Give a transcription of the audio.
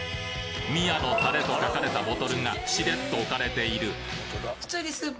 「宮のたれ」と書かれたボトルがしれっと置かれている普通に。